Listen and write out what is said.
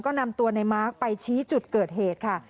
ก็นำตัวในมาร์คไปชี้จุดเกิดเหตุค่ะ